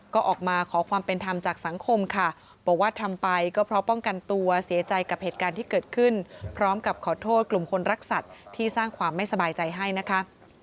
ก็ออกมาขอความเป็นธรรมจากสังคมค่ะบอกว่าทำไปก็เพราะป้องกันตัวเสียใจกับเหตุการณ์ที่เกิดขึ้นพร้อมกับขอโทษกลุ่มคนรักสัตว์ที่สร้างความไม่สบายใจให้นะคะ